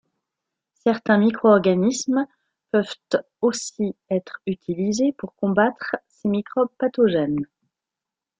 Certains micro-organismes peuvent aussi être utilisés pour combattre ces microbes pathogènes.